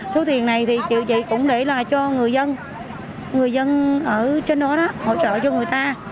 số tiền này thì chị cũng để là cho người dân người dân ở trên đó đó hỗ trợ cho người ta